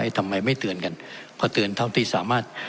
ทำไมไม่เตือนกันเพราะเตือนเท่าที่สามารถ